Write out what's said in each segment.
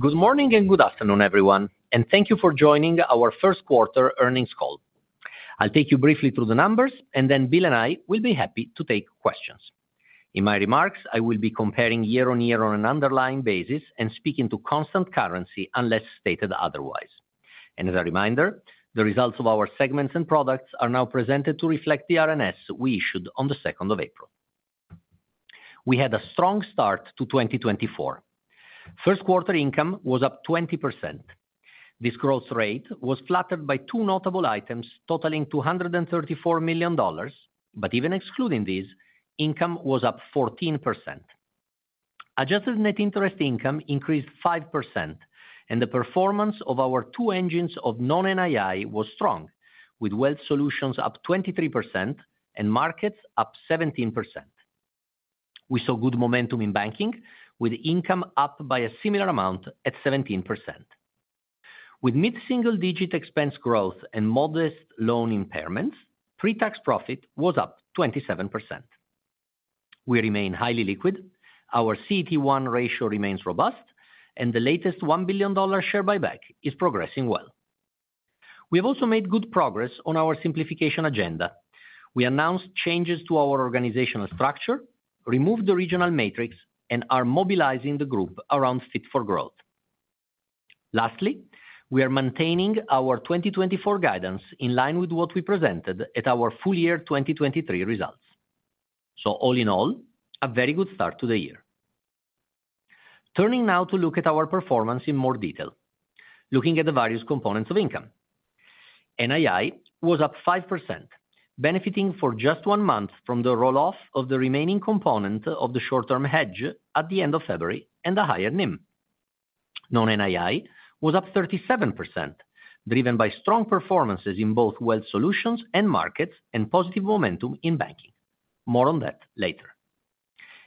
Good morning and good afternoon, everyone, and thank you for joining our first quarter earnings call. I'll take you briefly through the numbers, and then Bill and I will be happy to take questions. In my remarks, I will be comparing year-on-year on an underlying basis and speaking to constant currency, unless stated otherwise. As a reminder, the results of our segments and products are now presented to reflect the RNS we issued on the second of April. We had a strong start to 2024. First quarter income was up 20%. This growth rate was flattered by two notable items, totaling $234 million, but even excluding this, income was up 14%. Adjusted net interest income increased 5%, and the performance of our two engines of non-NII was strong, with Wealth Solutions up 23% and Markets up 17%. We saw good momentum in Banking, with income up by a similar amount at 17%. With mid-single-digit expense growth and modest loan impairments, pre-tax profit was up 27%. We remain highly liquid, our CET1 ratio remains robust, and the latest $1 billion share buyback is progressing well. We have also made good progress on our simplification agenda. We announced changes to our organizational structure, removed the regional matrix, and are mobilizing the Group around Fit for Growth. Lastly, we are maintaining our 2024 guidance in line with what we presented at our full-year 2023 results. So all in all, a very good start to the year. Turning now to look at our performance in more detail. Looking at the various components of income. NII was up 5%, benefiting for just one month from the roll-off of the remaining component of the short-term hedge at the end of February and a higher NIM. Non-NII was up 37%, driven by strong performances in both Wealth Solutions and Markets and positive momentum in Banking. More on that later.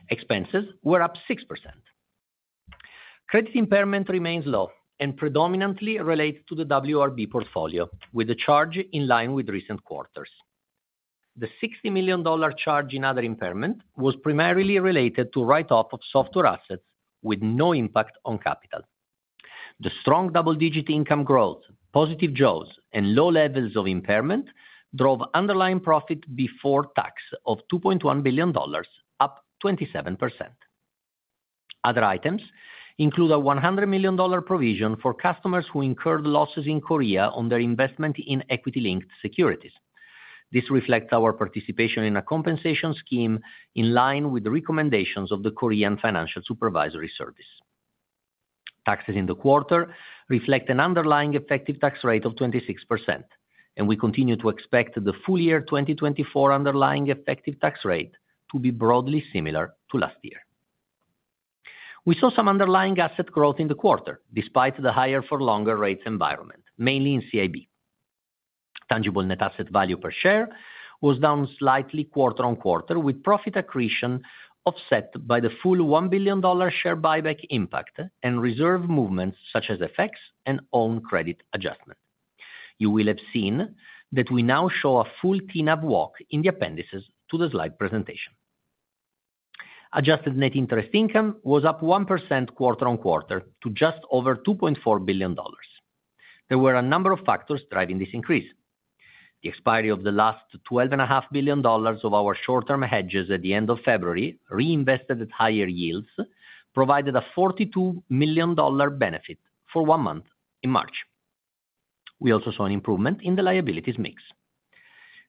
Expenses were up 6%. Credit impairment remains low and predominantly related to the WRB portfolio, with the charge in line with recent quarters. The $60 million charge in other impairment was primarily related to write-off of software assets with no impact on capital. The strong double-digit income growth, positive jaws, and low levels of impairment drove underlying profit before tax of $2.1 billion, up 27%. Other items include a $100 million provision for customers who incurred losses in Korea on their investment in equity-linked securities. This reflects our participation in a compensation scheme in line with the recommendations of the Korean Financial Supervisory Service. Taxes in the quarter reflect an underlying effective tax rate of 26%, and we continue to expect the full-year 2024 underlying effective tax rate to be broadly similar to last year. We saw some underlying asset growth in the quarter, despite the higher for longer rates environment, mainly in CIB. Tangible net asset value per share was down slightly quarter-on-quarter, with profit accretion offset by the full $1 billion share buyback impact and reserve movements such as FX effects and own credit adjustment. You will have seen that we now show a full TNAV walk in the appendices to the slide presentation. Adjusted net interest income was up 1% quarter-on-quarter to just over $2.4 billion. There were a number of factors driving this increase. The expiry of the last $12.5 billion of our short-term hedges at the end of February, reinvested at higher yields, provided a $42 million benefit for one month in March. We also saw an improvement in the liabilities mix.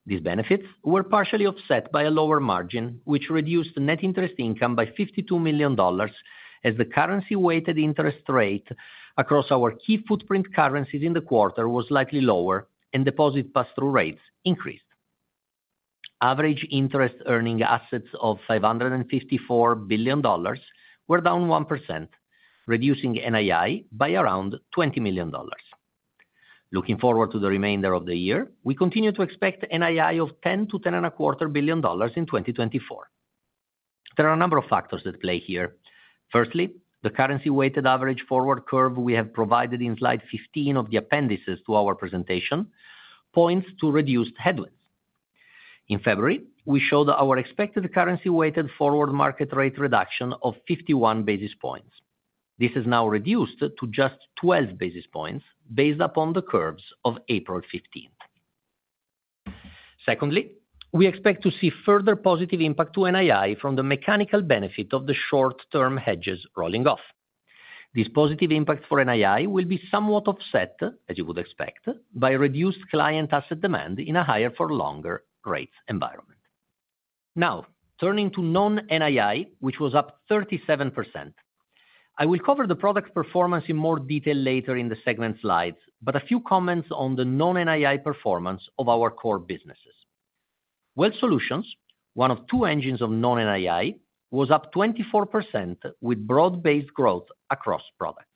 These benefits were partially offset by a lower margin, which reduced net interest income by $52 million, as the currency-weighted interest rate across our key footprint currencies in the quarter was slightly lower, and deposit pass-through rates increased. Average interest earning assets of $554 billion were down 1%, reducing NII by around $20 million. Looking forward to the remainder of the year, we continue to expect NII of $10 billion-$10.25 billion in 2024. There are a number of factors at play here. Firstly, the currency-weighted average forward curve we have provided in slide 15 of the appendices to our presentation points to reduced headwinds. In February, we showed our expected currency-weighted forward market rate reduction of 51 basis points. This is now reduced to just 12 basis points based upon the curves of April 15. Secondly, we expect to see further positive impact to NII from the mechanical benefit of the short-term hedges rolling off. This positive impact for NII will be somewhat offset, as you would expect, by reduced client asset demand in a higher for longer rates environment. Now, turning to non-NII, which was up 37%. I will cover the product performance in more detail later in the segment slides, but a few comments on the non-NII performance of our core businesses. Wealth Solutions, one of two engines of non-NII, was up 24% with broad-based growth across products.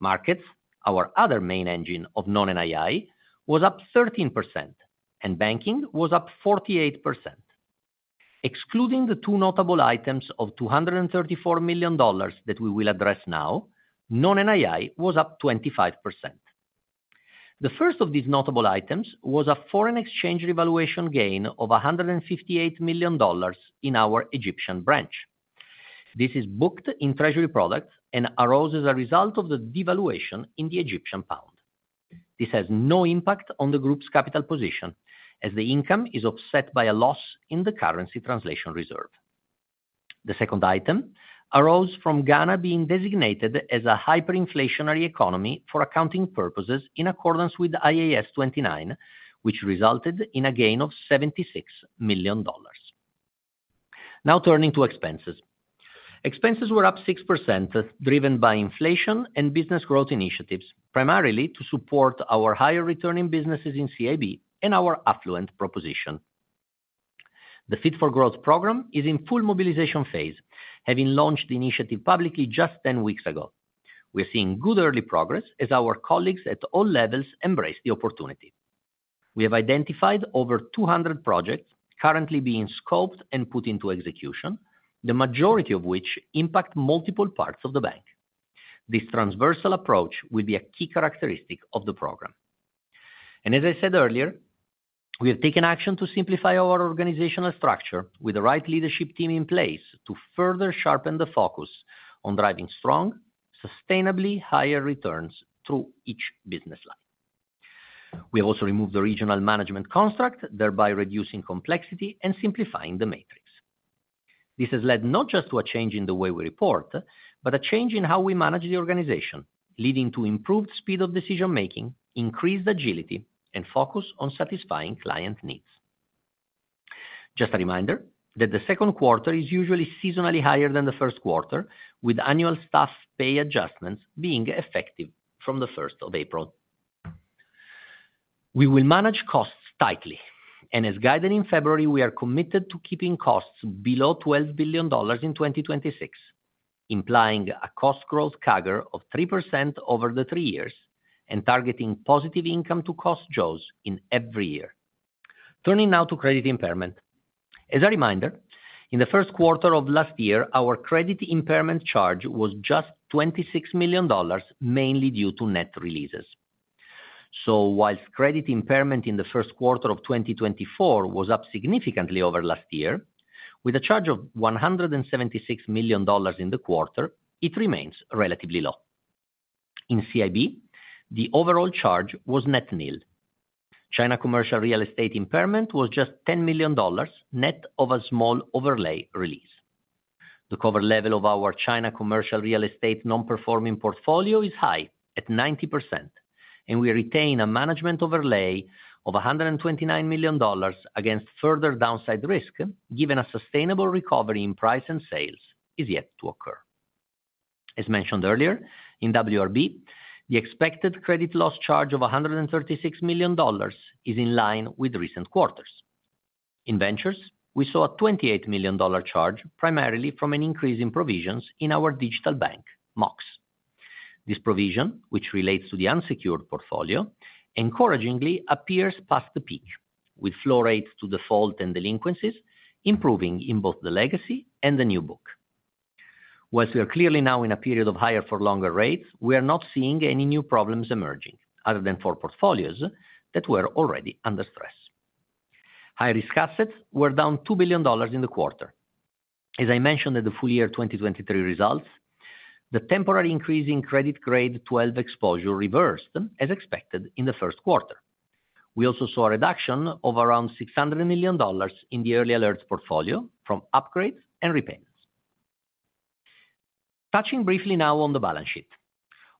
Markets, our other main engine of non-NII, was up 13%, and Banking was up 48%. Excluding the two notable items of $234 million that we will address now, non-NII was up 25%. The first of these notable items was a foreign exchange revaluation gain of $158 million in our Egyptian branch. This is booked in treasury products and arose as a result of the devaluation in the Egyptian pound. This has no impact on the Group's capital position, as the income is offset by a loss in the currency translation reserve. The second item arose from Ghana being designated as a hyperinflationary economy for accounting purposes in accordance with IAS 29, which resulted in a gain of $76 million. Now turning to expenses. Expenses were up 6%, driven by inflation and business growth initiatives, primarily to support our higher returning businesses in CIB and our affluent proposition. The Fit for Growth program is in full mobilization phase, having launched the initiative publicly just 10 weeks ago. We are seeing good early progress as our colleagues at all levels embrace the opportunity. We have identified over 200 projects currently being scoped and put into execution, the majority of which impact multiple parts of the bank. This transversal approach will be a key characteristic of the program. And as I said earlier, we have taken action to simplify our organizational structure with the right leadership team in place to further sharpen the focus on driving strong, sustainably higher returns through each business line. We have also removed the regional management construct, thereby reducing complexity and simplifying the matrix. This has led not just to a change in the way we report, but a change in how we manage the organization, leading to improved speed of decision-making, increased agility, and focus on satisfying client needs. Just a reminder that the second quarter is usually seasonally higher than the first quarter, with annual staff pay adjustments being effective from the first of April. We will manage costs tightly, and as guided in February, we are committed to keeping costs below $12 billion in 2026, implying a cost growth CAGR of 3% over the three years and targeting positive income to cost jaws in every year. Turning now to credit impairment. As a reminder, in the first quarter of last year, our credit impairment charge was just $26 million, mainly due to net releases. So while credit impairment in the first quarter of 2024 was up significantly over last year, with a charge of $176 million in the quarter, it remains relatively low. In CIB, the overall charge was net nil. China commercial real estate impairment was just $10 million, net of a small overlay release. The cover level of our China commercial real estate non-performing portfolio is high at 90%, and we retain a management overlay of $129 million against further downside risk, given a sustainable recovery in price and sales is yet to occur. As mentioned earlier, in WRB, the expected credit loss charge of $136 million is in line with recent quarters. In Ventures, we saw a $28 million charge, primarily from an increase in provisions in our digital bank, Mox. This provision, which relates to the unsecured portfolio, encouragingly appears past the peak, with flow rates to default and delinquencies improving in both the legacy and the new book. Whilst we are clearly now in a period of higher for longer rates, we are not seeing any new problems emerging, other than for portfolios that were already under stress. High-risk assets were down $2 billion in the quarter. As I mentioned at the full-year 2023 results, the temporary increase in Credit Grade 12 exposure reversed, as expected in the first quarter. We also saw a reduction of around $600 million in the Early Alerts portfolio from upgrades and repayments. Touching briefly now on the balance sheet.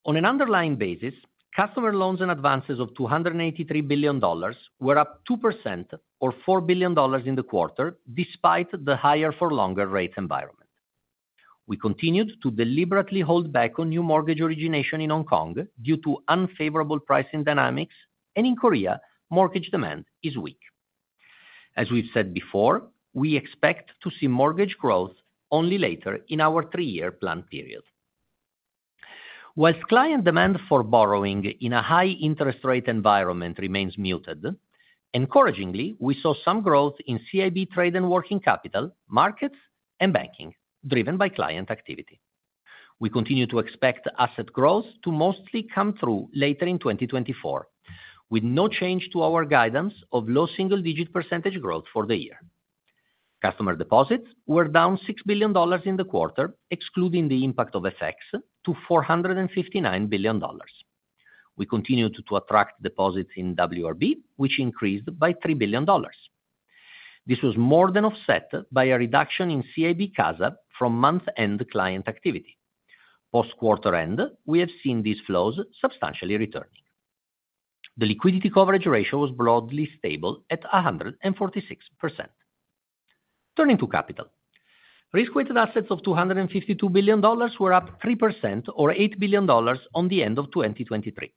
On an underlying basis, customer loans and advances of $283 billion were up 2% or $4 billion in the quarter, despite the higher for longer rates environment. We continued to deliberately hold back on new mortgage origination in Hong Kong due to unfavorable pricing dynamics, and in Korea, mortgage demand is weak. As we've said before, we expect to see mortgage growth only later in our three-year plan period. While client demand for borrowing in a high interest rate environment remains muted, encouragingly, we saw some growth in CIB Trade and Working Capital, Markets, and Banking driven by client activity. We continue to expect asset growth to mostly come through later in 2024, with no change to our guidance of low single-digit % growth for the year. Customer deposits were down $6 billion in the quarter, excluding the impact of FX to $459 billion. We continued to attract deposits in WRB, which increased by $3 billion. This was more than offset by a reduction in CIB CASA from month-end client activity. post-quarter-end, we have seen these flows substantially returning. The liquidity coverage ratio was broadly stable at 146%. Turning to capital. Risk-weighted assets of $252 billion were up 3% or $8 billion on the end of 2023.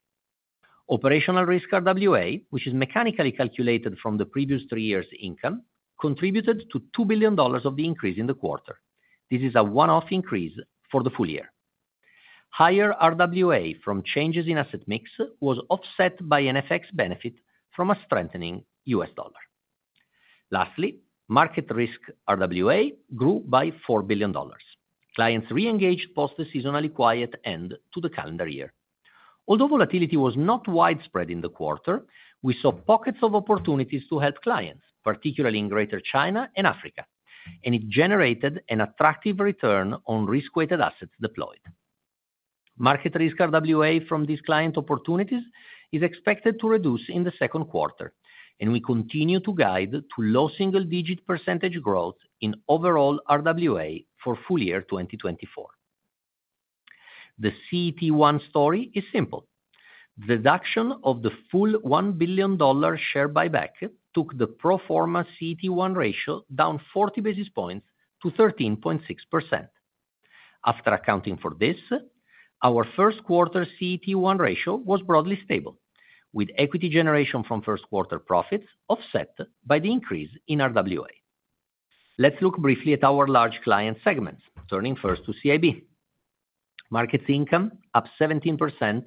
Operational risk RWA, which is mechanically calculated from the previous three years' income, contributed to $2 billion of the increase in the quarter. This is a one-off increase for the full-year. Higher RWA from changes in asset mix was offset by an FX benefit from a strengthening US dollar. Lastly, market risk RWA grew by $4 billion. Clients reengaged post the seasonally quiet end to the calendar year. Although volatility was not widespread in the quarter, we saw pockets of opportunities to help clients, particularly in Greater China and Africa, and it generated an attractive return on risk-weighted assets deployed. Market risk RWA from these client opportunities is expected to reduce in the second quarter, and we continue to guide to low single-digit percentage growth in overall RWA for full-year 2024. The CET1 story is simple. Deduction of the full $1 billion share buyback took the pro forma CET1 ratio down 40 basis points to 13.6%. After accounting for this, our first quarter CET1 ratio was broadly stable, with equity generation from first quarter profits offset by the increase in RWA. Let's look briefly at our large client segments, turning first to CIB. Markets income, up 17%,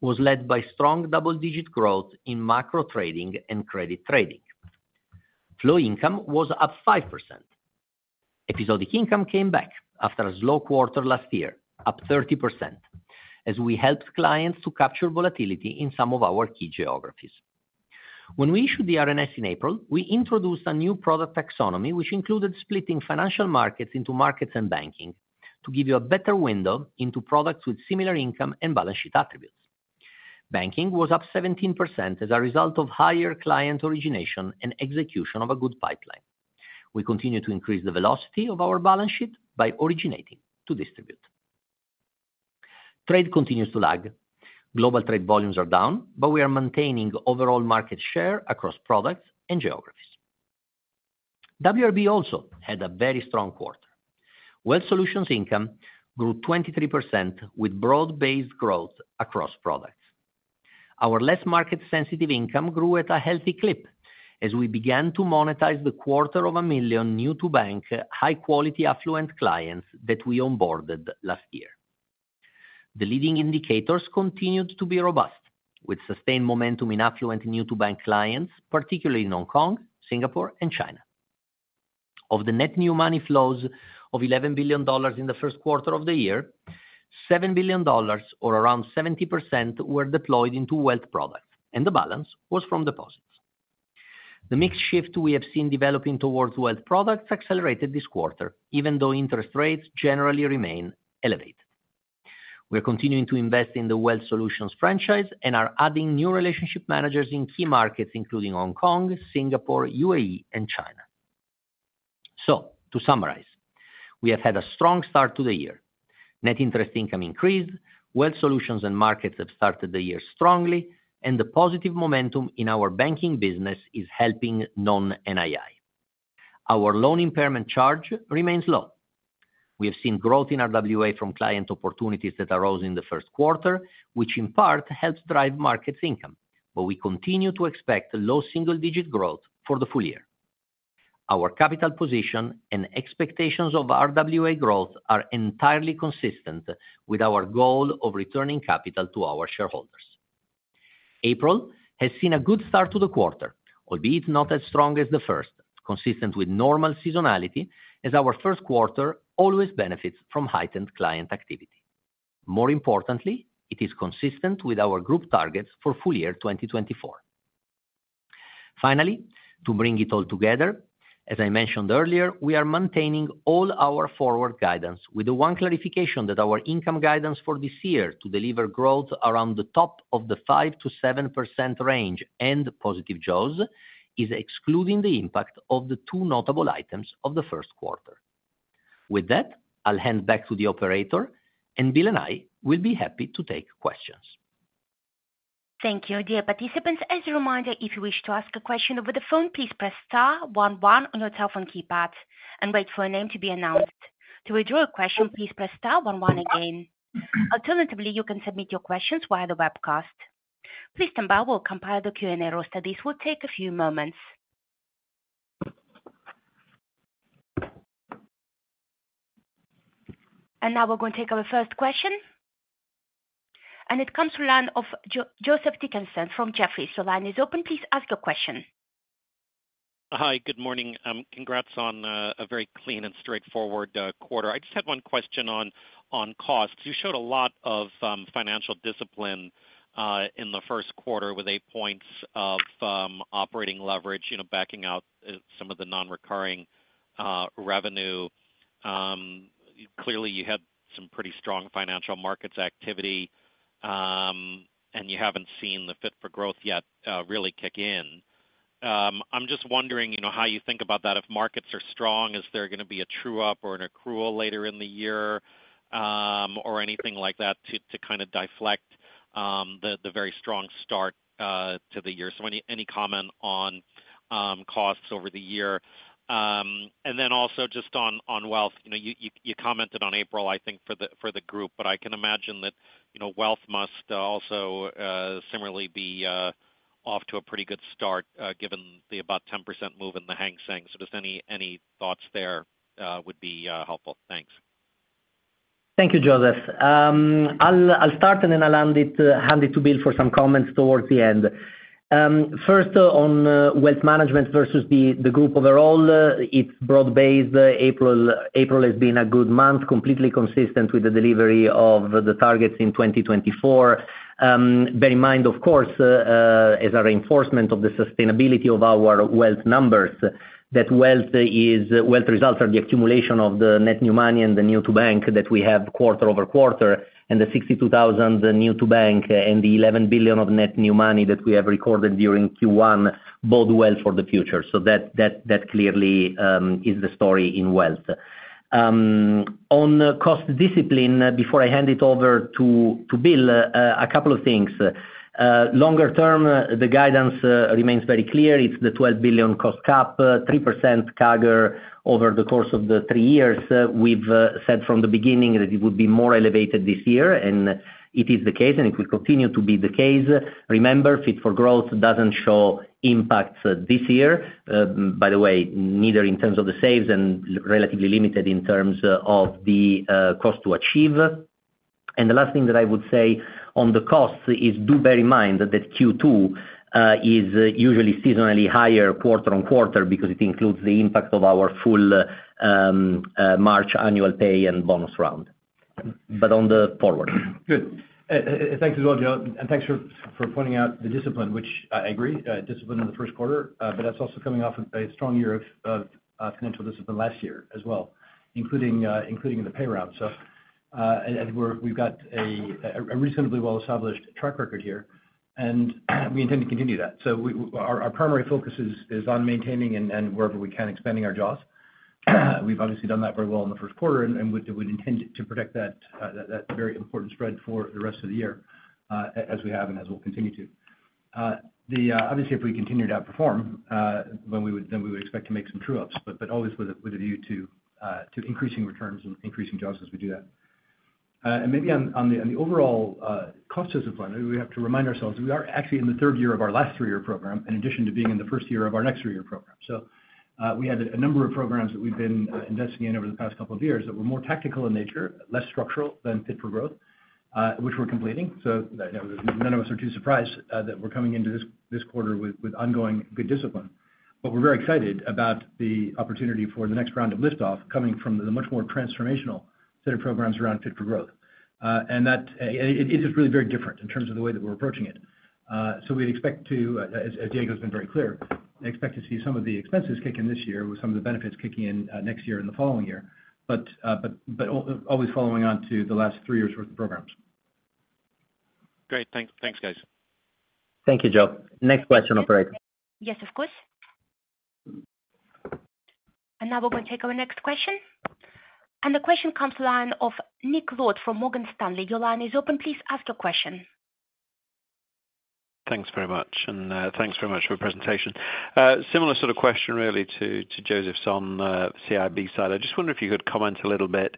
was led by strong double-digit growth in macro trading and credit trading. Flow income was up 5%. Episodic income came back after a slow quarter last year, up 30%, as we helped clients to capture volatility in some of our key geographies. When we issued the RNS in April, we introduced a new product taxonomy, which included splitting Financial Markets into Markets and Banking, to give you a better window into products with similar income and balance sheet attributes. Banking was up 17% as a result of higher client origination and execution of a good pipeline. We continue to increase the velocity of our balance sheet by originating to distribute. Trade continues to lag. Global trade volumes are down, but we are maintaining overall market share across products and geographies. WRB also had a very strong quarter. Wealth Solutions income grew 23% with broad-based growth across products. Our less market sensitive income grew at a healthy clip as we began to monetize the 250,000 new to bank, high quality, affluent clients that we onboarded last year. The leading indicators continued to be robust, with sustained momentum in affluent and new to bank clients, particularly in Hong Kong, Singapore, and China. Of the net new money flows of $11 billion in the first quarter of the year, $7 billion, or around 70%, were deployed into Wealth products, and the balance was from deposits. The mixed shift we have seen developing towards Wealth products accelerated this quarter, even though interest rates generally remain elevated. We are continuing to invest in the Wealth Solutions franchise and are adding new relationship managers in key Markets, including Hong Kong, Singapore, UAE, and China. To summarize, we have had a strong start to the year. Net interest income increased, Wealth Solutions and Markets have started the year strongly, and the positive momentum in our Banking business is helping non-NII. Our loan impairment charge remains low. We have seen growth in RWA from client opportunities that arose in the first quarter, which in part helps drive Markets income, but we continue to expect low single digit growth for the full-year. Our capital position and expectations of RWA growth are entirely consistent with our goal of returning capital to our shareholders. April has seen a good start to the quarter, albeit not as strong as the first, consistent with normal seasonality, as our first quarter always benefits from heightened client activity. More importantly, it is consistent with our Group targets for full-year 2024. Finally, to bring it all together, as I mentioned earlier, we are maintaining all our forward guidance with the one clarification that our income guidance for this year to deliver growth around the top of the 5%-7% range and positive jaws, is excluding the impact of the two notable items of the first quarter. With that, I'll hand back to the operator, and Bill and I will be happy to take questions. Thank you, dear participants. As a reminder, if you wish to ask a question over the phone, please press star one one on your telephone keypad and wait for a name to be announced. To withdraw a question, please press star one one again. Alternatively, you can submit your questions via the webcast. Please stand by, we'll compile the Q&A roster. This will take a few moments. Now we're going to take our first question, and it comes to the line of Joseph Dickerson from Jefferies line is open, please ask your question. Hi, good morning. Congrats on a very clean and straightforward quarter. I just had one question on costs. You showed a lot of financial discipline in the first quarter with eight points of operating leverage, you know, backing out some of the non-recurring revenue. Clearly, you had some pretty strong Financial Markets activity, and you haven't seen the Fit for Growth yet really kick in. I'm just wondering, you know, how you think about that. If Markets are strong, is there going to be a true up or an accrual later in the year, or anything like that, to kind of deflect the very strong start to the year? So any comment on costs over the year? And then also just on wealth. You know, you commented on April, I think, for the Group, but I can imagine that, you know, wealth must also similarly be off to a pretty good start, given the about 10% move in the Hang Seng. So just any thoughts there would be helpful. Thanks.... Thank you, Joseph. I'll start, and then I'll hand it to Bill for some comments towards the end. First, on wealth management versus the Group overall, it's broad-based. April has been a good month, completely consistent with the delivery of the targets in 2024. Bear in mind, of course, as a reinforcement of the sustainability of our wealth numbers, that wealth results are the accumulation of the net new money and the new to bank that we have quarter-over-quarter, and the 62,000 new to bank and the $11 billion of net new money that we have recorded during Q1 bode well for the future. So that clearly is the story in wealth. On cost discipline, before I hand it over to Bill, a couple of things. Longer term, the guidance remains very clear. It's the $12 billion cost cap, 3% CAGR over the course of the three years. We've said from the beginning that it would be more elevated this year, and it is the case, and it will continue to be the case. Remember, Fit for Growth doesn't show impacts this year. By the way, neither in terms of the saves and relatively limited in terms of the cost to achieve. And the last thing that I would say on the costs is do bear in mind that Q2 is usually seasonally higher quarter-on-quarter because it includes the impact of our full March annual pay and bonus round. But on the forward. Good. Thanks as well, Joe, and thanks for pointing out the discipline, which I agree, discipline in the first quarter, but that's also coming off of a strong year of financial discipline last year as well, including in the pay round. So, we've got a reasonably well-established track record here, and we intend to continue that. So our primary focus is on maintaining and wherever we can, expanding our jaws. We've obviously done that very well in the first quarter, and we intend to protect that very important spread for the rest of the year, as we have and as we'll continue to. The... Obviously, if we continue to outperform, then we would, then we would expect to make some true ups, but, but always with a, with a view to, to increasing returns and increasing jaws as we do that. And maybe on, on the, on the overall, cost discipline, we have to remind ourselves we are actually in the third year of our last three-year program, in addition to being in the first year of our next three-year program. So, we had a number of programs that we've been investing in over the past couple of years that were more tactical in nature, less structural than Fit for Growth, which we're completing. So, you know, none of us are too surprised, that we're coming into this, this quarter with, with ongoing good discipline. But we're very excited about the opportunity for the next round of lift-off, coming from the much more transformational set of programs around Fit for Growth. And that, it is really very different in terms of the way that we're approaching it. So we'd expect to, as Diego's been very clear, I expect to see some of the expenses kick in this year, with some of the benefits kicking in, next year and the following year. But always following on to the last three years' worth of programs. Great. Thanks. Thanks, guys. Thank you, Joe. Next question, operator. Yes, of course. Now we're going to take our next question. The question comes to the line of Nick Lord from Morgan Stanley. Your line is open. Please ask your question. Thanks very much, and thanks very much for the presentation. Similar sort of question really to Joseph's on CIB side. I just wonder if you could comment a little bit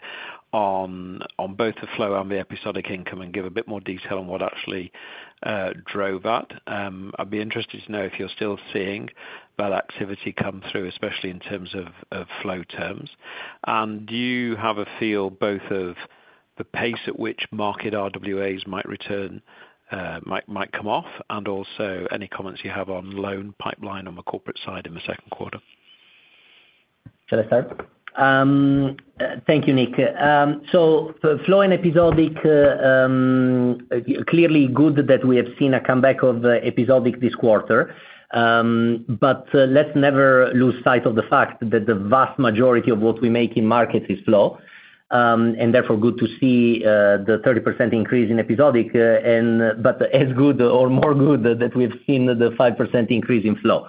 on both the flow and the episodic income and give a bit more detail on what actually drove that. I'd be interested to know if you're still seeing that activity come through, especially in terms of flow terms. And do you have a feel both of the pace at which market RWAs might return, might come off, and also any comments you have on loan pipeline on the corporate side in the second quarter? Shall I start? Thank you, Nick. So for flow and episodic, clearly good that we have seen a comeback of episodic this quarter, but let's never lose sight of the fact that the vast majority of what we make in Markets is flow, and therefore good to see the 30% increase in episodic, and but as good or more good that we've seen the 5% increase in flow.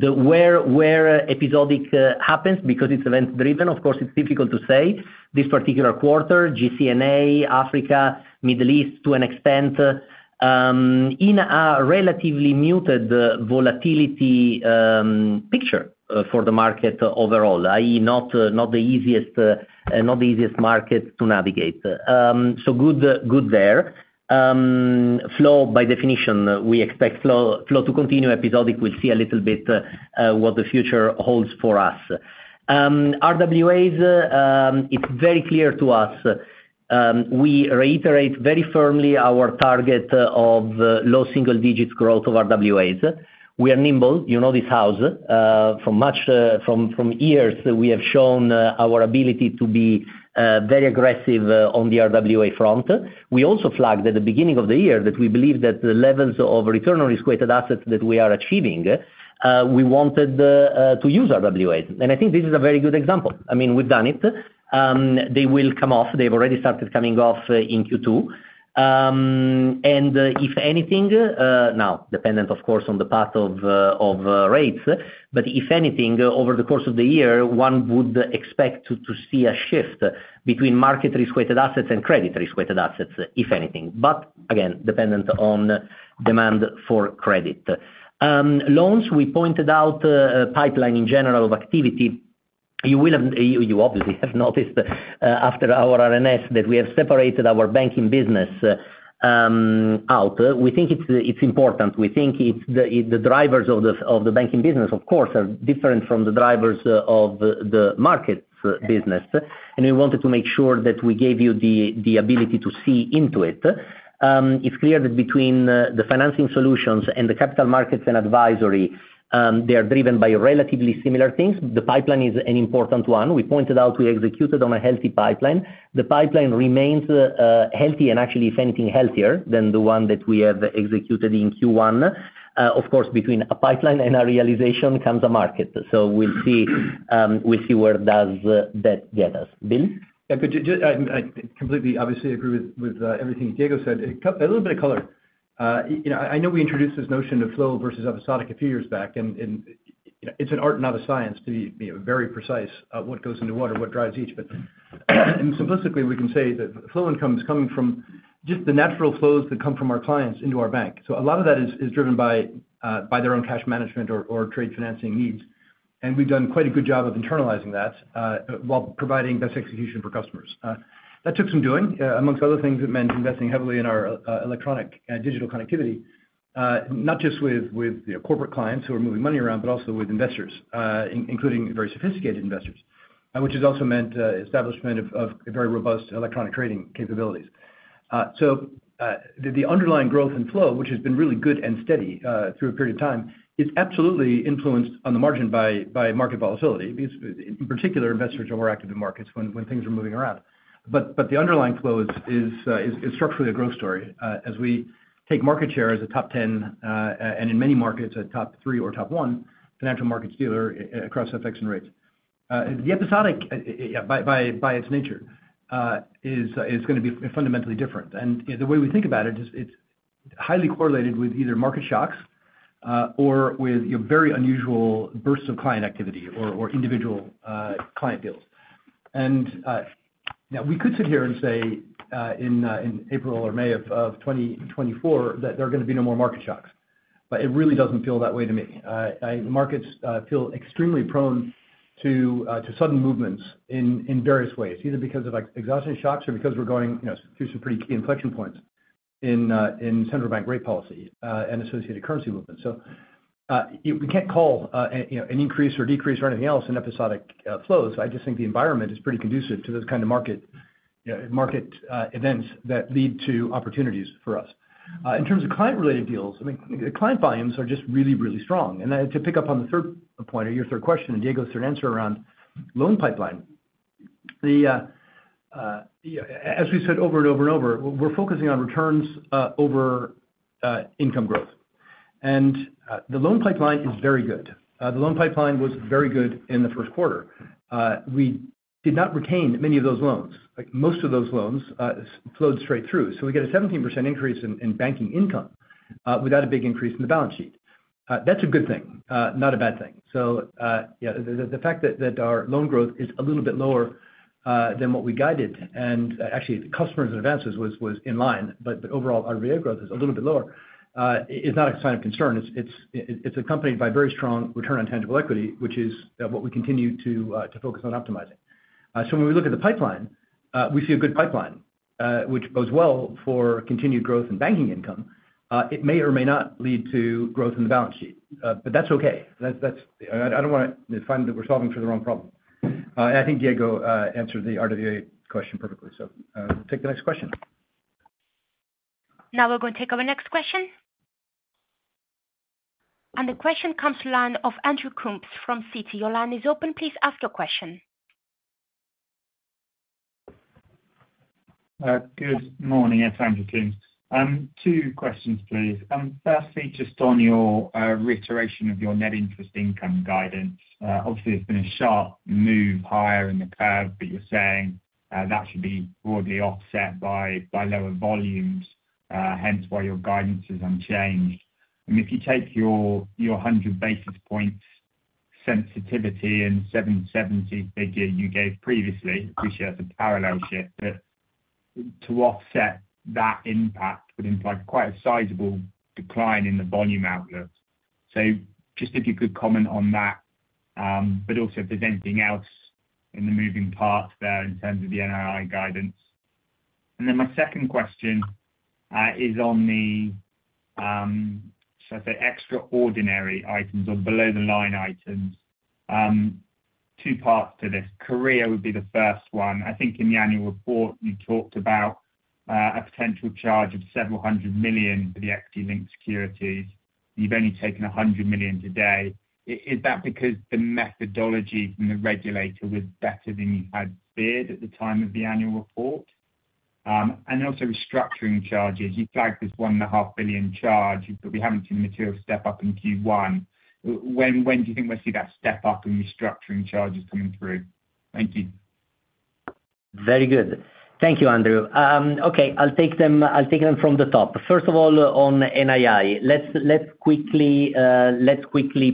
Where episodic happens, because it's event-driven, of course, it's difficult to say. This particular quarter, GCNA, Africa, Middle East to an extent, in a relatively muted volatility picture for the market overall, i.e., not the easiest market to navigate. So good there. Flow, by definition, we expect flow to continue. Episodic, we'll see a little bit, what the future holds for us. RWAs, it's very clear to us, we reiterate very firmly our target, of, low single digits growth of RWAs. We are nimble, you know, this house, from much, from, from years we have shown, our ability to be, very aggressive, on the RWA front. We also flagged at the beginning of the year that we believe that the levels of return on risk-weighted assets that we are achieving, we wanted, to use RWAs. And I think this is a very good example. I mean, we've done it. They will come off. They've already started coming off, in Q2. If anything, now dependent, of course, on the path of rates, but if anything, over the course of the year, one would expect to see a shift between market risk-weighted assets and credit risk-weighted assets, if anything. But again, dependent on demand for credit. Loans, we pointed out, a pipeline in general of activity. You obviously have noticed, after our RNS, that we have separated our Banking business out. We think it's important. We think it's the drivers of the Banking business, of course, are different from the drivers of the Markets business. And we wanted to make sure that we gave you the ability to see into it. It's clear that between the financing solutions and the capital Markets and advisory, they are driven by relatively similar things. The pipeline is an important one. We pointed out we executed on a healthy pipeline. The pipeline remains, healthy and actually, if anything, healthier than the one that we have executed in Q1. Of course, between a pipeline and a realization, comes a market. So we'll see, we'll see where does that get us? Bill? Yeah, but I, I completely obviously agree with, with, everything Diego said. A little bit of color. You know, I know we introduced this notion of flow versus episodic a few years back, and, and it's an art, not a science, to be very precise, what goes into what or what drives each. But and simplistically, we can say that flow income is coming from just the natural flows that come from our clients into our bank. So a lot of that is driven by by their own cash management or trade financing needs. And we've done quite a good job of internalizing that, while providing best execution for customers. That took some doing. Among other things, it meant investing heavily in our electronic and digital connectivity, not just with you know corporate clients who are moving money around, but also with investors including very sophisticated investors. Which has also meant establishment of very robust electronic trading capabilities. So the underlying growth and flow, which has been really good and steady through a period of time, is absolutely influenced on the margin by market volatility. In particular, investors are more active in Markets when things are moving around. But the underlying flow is structurally a growth story. As we take market share as a top 10 and in many Markets a top three or top one Financial Markets dealer across FX and rates. The episodic, by its nature, is gonna be fundamentally different. And the way we think about it is it's highly correlated with either market shocks, or with, you know, very unusual bursts of client activity or individual client deals. And now, we could sit here and say, in April or May of 2024, that there are gonna be no more market shocks, but it really doesn't feel that way to me. Markets feel extremely prone to sudden movements in various ways, either because of, like, exhaustion shocks or because we're going, you know, through some pretty key inflection points in central bank rate policy and associated currency movements. So, we can't call, you know, an increase or decrease or anything else in episodic flows. I just think the environment is pretty conducive to those kind of market, you know, market events that lead to opportunities for us. In terms of client-related deals, I mean, client volumes are just really, really strong. To pick up on the third point or your third question, and Diego's third answer around loan pipeline, as we said, over and over and over, we're focusing on returns over income growth. The loan pipeline is very good. The loan pipeline was very good in the first quarter. We did not retain many of those loans. Like, most of those loans flowed straight through. So we get a 17% increase in Banking income without a big increase in the balance sheet. That's a good thing, not a bad thing. So, yeah, the fact that our loan growth is a little bit lower than what we guided and actually, customers advances was in line, but overall, our VA growth is a little bit lower is not a sign of concern. It's accompanied by very strong return on tangible equity, which is what we continue to focus on optimizing. So when we look at the pipeline, we see a good pipeline, which bodes well for continued growth in Banking income. It may or may not lead to growth in the balance sheet, but that's okay. That's... I don't wanna find that we're solving for the wrong problem. I think Diego answered the RWA question perfectly. So, take the next question. Now we're going to take our next question. The question comes to line of Andrew Coombs from Citi. Your line is open. Please ask your question. Good morning. It's Andrew Coombs. Two questions, please. Firstly, just on your reiteration of your net interest income guidance. Obviously, it's been a sharp move higher in the curve, but you're saying that should be broadly offset by lower volumes, hence why your guidance is unchanged. I mean, if you take your 100 basis points sensitivity and 770 figure you gave previously, appreciate the parallel shift, but to offset that impact would imply quite a sizable decline in the volume outlook. So just if you could comment on that, but also if there's anything else in the moving parts there in terms of the NII guidance. And then my second question is on the, should I say, extraordinary items or below the line items. Two parts to this. Korea would be the first one. I think in the annual report, you talked about a potential charge of $several hundred million for the equity-linked securities. You've only taken $100 million today. Is that because the methodology from the regulator was better than you had feared at the time of the annual report? And also restructuring charges. You flagged this $1.5 billion charge, but we haven't seen material step up in Q1. When do you think we'll see that step up in restructuring charges coming through? Thank you. Very good. Thank you, Andrew. Okay, I'll take them, I'll take them from the top. First of all, on NII, let's quickly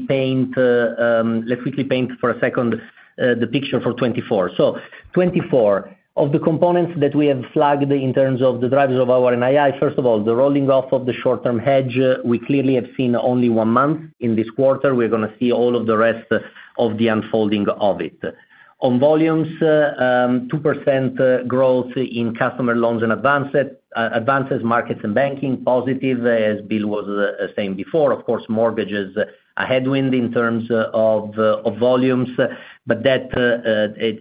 paint for a second the picture for 2024. So 2024, of the components that we have flagged in terms of the drivers of our NII, first of all, the rolling off of the short-term hedge, we clearly have seen only one month in this quarter. We're gonna see all of the rest of the unfolding of it. On volumes, 2% growth in customer loans and advances, advances, Markets and Banking, positive, as Bill was saying before. Of course, mortgages, a headwind in terms of volumes, but that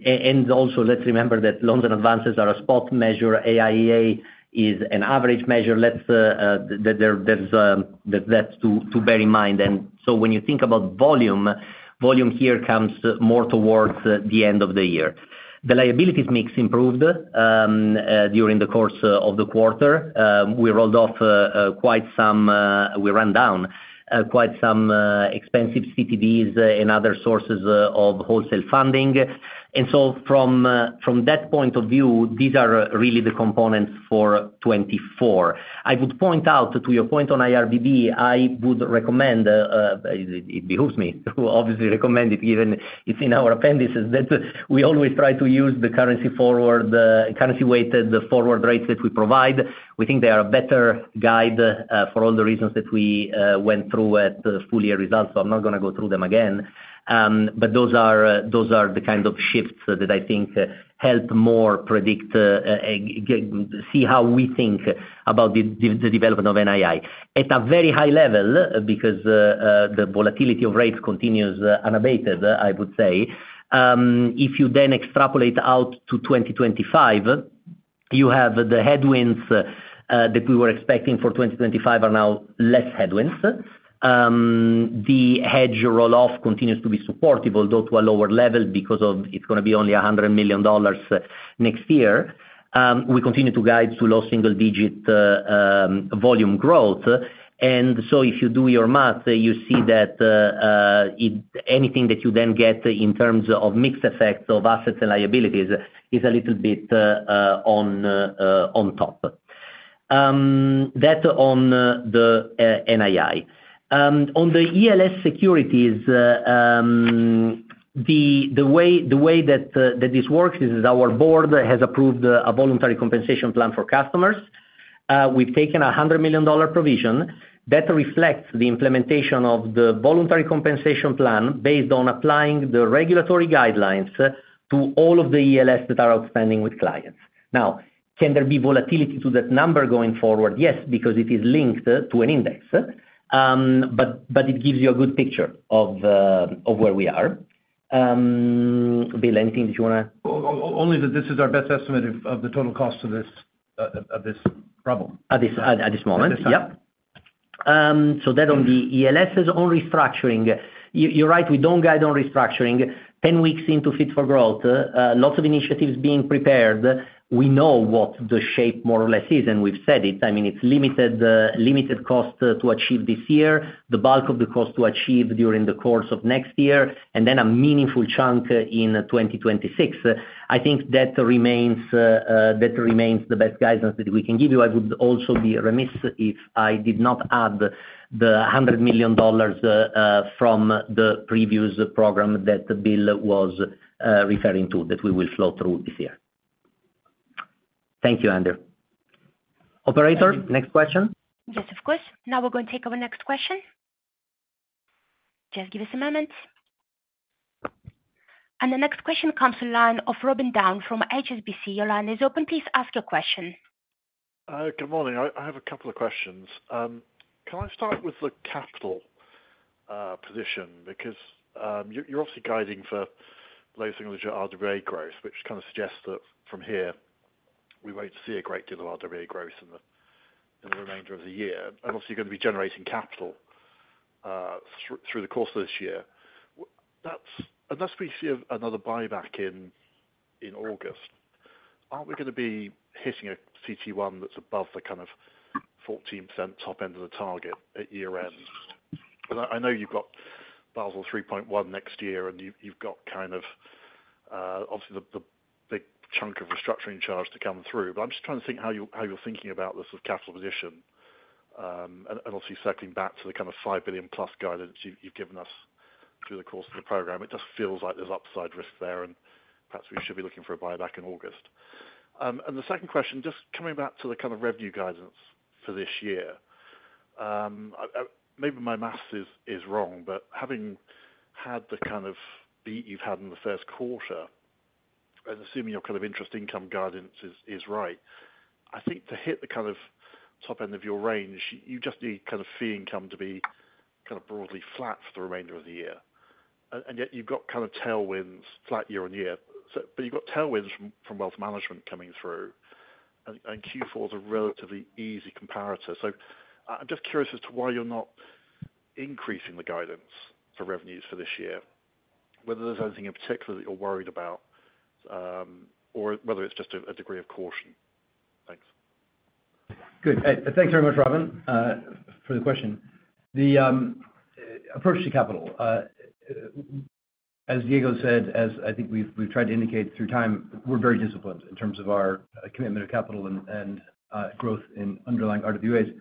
and also, let's remember that loans and advances are a spot measure. AIEA is an average measure. That there is, that's to bear in mind. And so when you think about volume, volume here comes more towards the end of the year. The liabilities mix improved during the course of the quarter. We rolled off quite some, we ran down quite some expensive CDs and other sources of wholesale funding. And so from that point of view, these are really the components for 2024. I would point out that to your point on IRBB, I would recommend, it behooves me to obviously recommend it, given it's in our appendices, that we always try to use the currency forward, currency-weighted, the forward rates that we provide. We think they are a better guide, for all the reasons that we went through at the full-year results, so I'm not gonna go through them again. But those are, those are the kind of shifts that I think help more predict, see how we think about the, the, the development of NII. At a very high level, because the volatility of rates continues unabated, I would say, if you then extrapolate out to 2025, you have the headwinds that we were expecting for 2025 are now less headwinds. We continue to guide to low single digit volume growth. And so if you do your math, you see that anything that you then get in terms of mixed effects of assets and liabilities is a little bit on top. That on the NII. On the ELS securities, the way that this works is our board has approved a voluntary compensation plan for customers. We've taken a $100 million provision. That reflects the implementation of the voluntary compensation plan, based on applying the regulatory guidelines to all of the ELS that are outstanding with clients. Now, can there be volatility to that number going forward? Yes, because it is linked to an index. But it gives you a good picture of where we are. Bill, anything that you wanna- Only that this is our best estimate of, of the total cost of this, of, of this problem. At this moment. At this time. Yep. So that on the ELSes. On restructuring, you're right, we don't guide on restructuring. 10 weeks into Fit for Growth, lots of initiatives being prepared. We know what the shape more or less is, and we've said it. I mean, it's limited, limited cost to achieve this year, the bulk of the cost to achieve during the course of next year, and then a meaningful chunk in 2026. I think that remains, that remains the best guidance that we can give you. I would also be remiss if I did not add the $100 million from the previous program that Bill was referring to, that we will flow through this year. Thank you, Andrew. Operator, next question? Yes, of course. Now we're going to take our next question. Just give us a moment. The next question comes from the line of Robin Down from HSBC. Your line is open. Please ask your question. Good morning. I have a couple of questions. Can I start with the capital position? Because you're obviously guiding for low single digit RWA growth, which kind of suggests that from here we won't see a great deal of RWA growth in the remainder of the year. And obviously, you're gonna be generating capital through the course of this year. That's unless we see another buyback in August, aren't we gonna be hitting a CET1 that's above the kind of 14% top end of the target at year-end? Because I know you've got Basel 3.1 next year, and you've got kind of obviously the big chunk of restructuring charge to come through. But I'm just trying to think how you're thinking about this with capital position. Obviously circling back to the kind of $5 billion plus guidance you've given us through the course of the program. It just feels like there's upside risk there, and perhaps we should be looking for a buyback in August. And the second question, just coming back to the kind of revenue guidance for this year. Maybe my math is wrong, but having had the kind of beat you've had in the first quarter, and assuming your kind of interest income guidance is right, I think to hit the kind of top end of your range, you just need kind of fee income to be kind of broadly flat for the remainder of the year. And yet you've got kind of tailwinds flat year-on-year, but you've got tailwinds from wealth management coming through, and Q4 is a relatively easy comparator. So I'm just curious as to why you're not increasing the guidance for revenues for this year, whether there's anything in particular that you're worried about, or whether it's just a degree of caution? Thanks.... Good. Thanks very much, Robin, for the question. The approach to capital, as Diego said, as I think we've tried to indicate through time, we're very disciplined in terms of our commitment to capital and growth in underlying RWAs.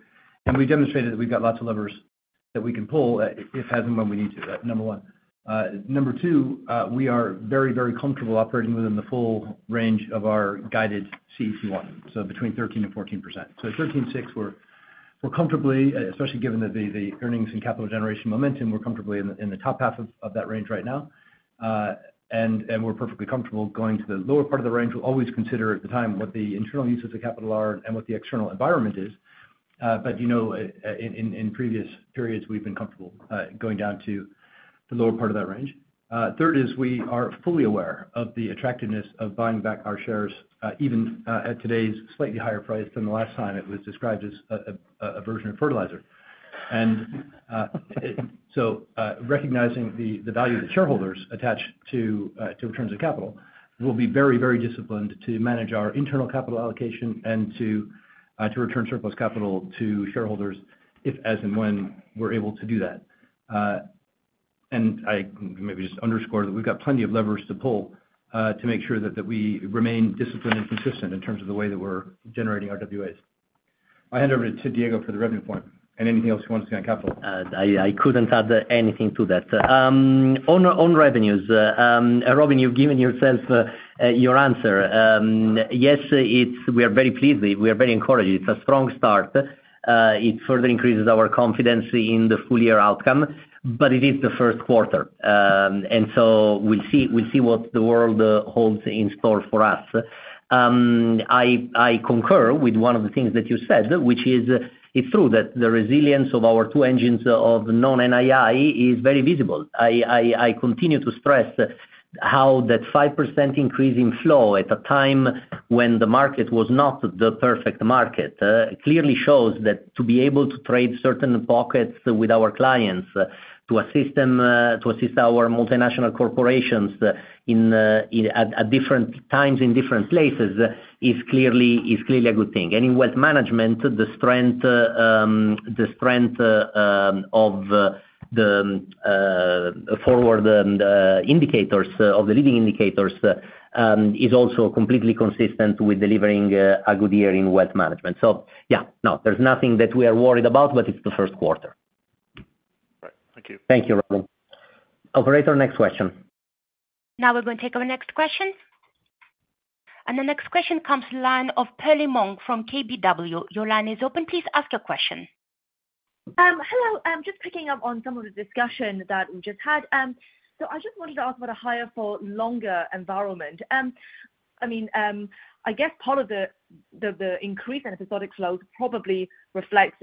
And we demonstrated that we've got lots of levers that we can pull if, as, and when we need to, number one. Number two, we are very, very comfortable operating within the full range of our guided CET1, so between 13% and 14%. So 13.6%, we're comfortably, especially given that the earnings and capital generation momentum, we're comfortably in the top half of that range right now. And we're perfectly comfortable going to the lower part of the range. We'll always consider at the time what the internal uses of capital are and what the external environment is. But, you know, in previous periods, we've been comfortable going down to the lower part of that range. Third is we are fully aware of the attractiveness of buying back our shares, even at today's slightly higher price than the last time it was described as a version of fertilizer. And, so, recognizing the value that shareholders attach to returns of capital, we'll be very, very disciplined to manage our internal capital allocation and to return surplus capital to shareholders if, as, and when we're able to do that. I may just underscore that we've got plenty of levers to pull to make sure that we remain disciplined and consistent in terms of the way that we're generating RWAs. I'll hand over to Diego for the revenue point and anything else you want to say on capital. I couldn't add anything to that. On revenues, Robin, you've given yourself your answer. Yes, it's we are very pleased. We are very encouraged. It's a strong start. It further increases our confidence in the full-year outcome, but it is the first quarter. And so we'll see, we'll see what the world holds in store for us. I concur with one of the things that you said, which is, it's true that the resilience of our two engines of non-NII is very visible. I continue to stress how that 5% increase in flow at a time when the market was not the perfect market clearly shows that to be able to trade certain pockets with our clients, to assist them, to assist our multinational corporations in at different times in different places is clearly a good thing. And in wealth management, the strength of the forward and indicators of the leading indicators is also completely consistent with delivering a good year in wealth management. So yeah, no, there's nothing that we are worried about, but it's the first quarter. Right. Thank you. Thank you, Robin. Operator, next question. Now we're going to take our next question. The next question comes from the line of Perlie Mong from KBW. Your line is open. Please ask your question. Hello, just picking up on some of the discussion that we just had. So I just wanted to ask about a higher for longer environment. I mean, I guess part of the increase in episodic flow probably reflects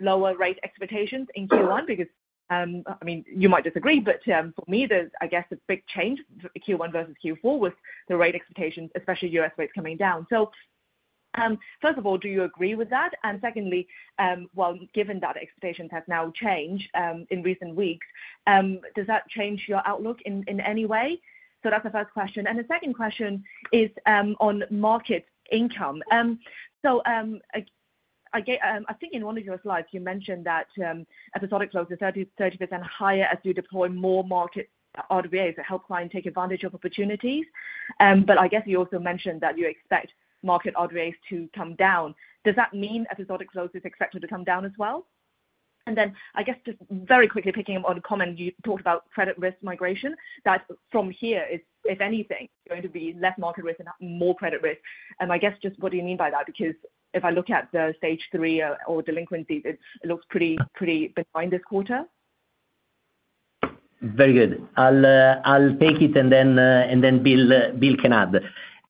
lower rate expectations in Q1, because... I mean, you might disagree, but, for me, there's, I guess, a big change, Q1 versus Q4, with the rate expectations, especially U.S. rates coming down. So, first of all, do you agree with that? And secondly, well, given that expectations have now changed in recent weeks, does that change your outlook in any way? So that's the first question. And the second question is on market income. So, I think in one of your slides, you mentioned that episodic flows are 30% higher as you deploy more market RWAs to help clients take advantage of opportunities. But I guess you also mentioned that you expect market RWAs to come down. Does that mean episodic flows is expected to come down as well? And then, I guess, just very quickly picking up on a comment, you talked about credit risk migration, that from here, if anything, there's going to be less market risk and more credit risk. And I guess, just what do you mean by that? Because if I look at the stage three or delinquencies, it looks pretty behind this quarter. Very good. I'll take it and then Bill can add.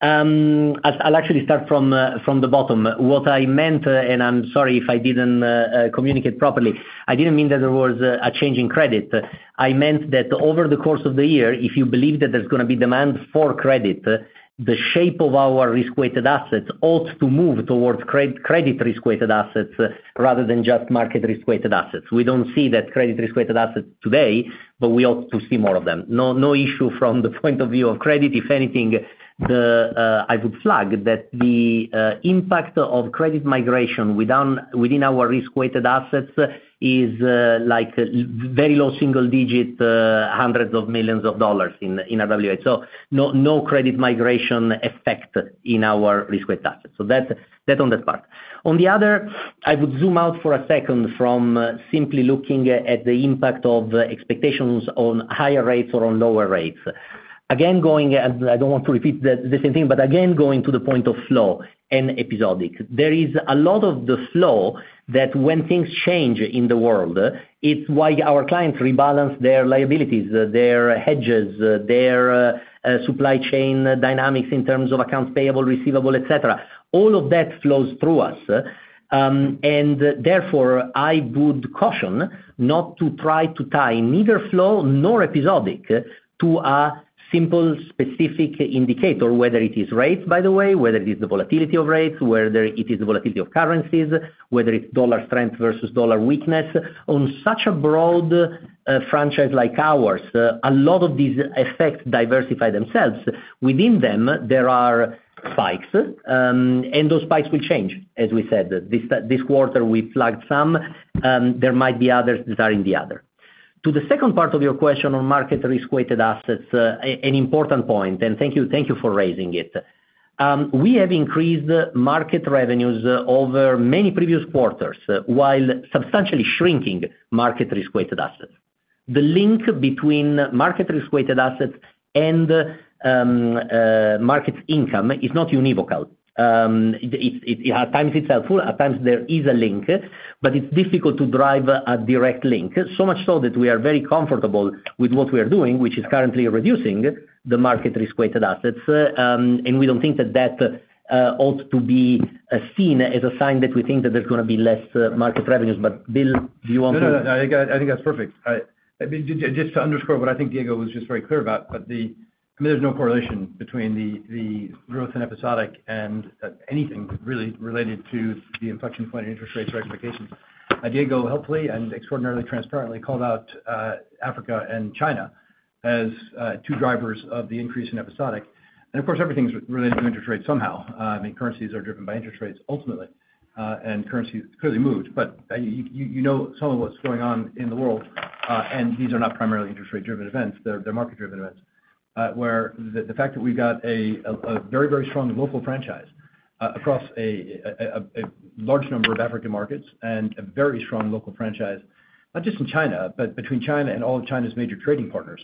I'll actually start from the bottom. What I meant, and I'm sorry if I didn't communicate properly, I didn't mean that there was a change in credit. I meant that over the course of the year, if you believe that there's going to be demand for credit, the shape of our risk-weighted assets ought to move towards credit risk-weighted assets rather than just market risk-weighted assets. We don't see that credit risk-weighted assets today, but we ought to see more of them. No issue from the point of view of credit. If anything, I would flag that the impact of credit migration within our risk-weighted assets is like very low single-digit hundreds of millions of dollars in RWA. So no, no credit migration effect in our risk-weighted assets. So that on that part. On the other, I would zoom out for a second from simply looking at the impact of expectations on higher rates or on lower rates. Again, going, and I don't want to repeat the same thing, but again, going to the point of flow and episodic. There is a lot of the flow that when things change in the world, it's why our clients rebalance their liabilities, their hedges, their supply chain dynamics in terms of accounts payable, receivable, et cetera. All of that flows through us, and therefore, I would caution not to try to tie neither flow nor episodic to a simple, specific indicator, whether it is rates, by the way, whether it is the volatility of rates, whether it is the volatility of currencies, whether it's dollar strength versus dollar weakness. On such a broad franchise like ours, a lot of these effects diversify themselves. Within them, there are spikes, and those spikes will change as we said. This, this quarter, we flagged some, there might be others that are in the other.... To the second part of your question on market risk-weighted assets, an important point, and thank you, thank you for raising it. We have increased market revenues over many previous quarters, while substantially shrinking market risk-weighted assets. The link between market risk-weighted assets and market income is not univocal. At times it's helpful, at times there is a link, but it's difficult to drive a direct link. So much so that we are very comfortable with what we are doing, which is currently reducing the market risk-weighted assets. And we don't think that ought to be seen as a sign that we think that there's gonna be less market revenues. But Bill, do you want to- No, no, no, I think that's perfect. I mean, just to underscore what I think Diego was just very clear about, but the... I mean, there's no correlation between the growth in episodic and anything really related to the inflection point in interest rates reification. Diego helpfully and extraordinarily transparently called out Africa and China as two drivers of the increase in episodic. And of course, everything's related to interest rates somehow. I mean, currencies are driven by interest rates ultimately, and currencies clearly moved. But you know some of what's going on in the world, and these are not primarily interest rate driven events; they're market driven events. The fact that we've got a very, very strong local franchise across a large number of African Markets and a very strong local franchise, not just in China, but between China and all of China's major trading partners,